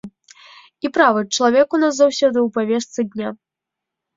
І правы чалавека ў нас заўсёды ў павестцы дня.